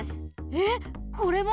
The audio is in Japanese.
えっこれも？